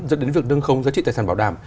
dẫn đến việc nâng khống giá trị tài sản bảo đảm